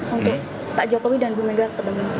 oke pak jokowi dan bumega kembali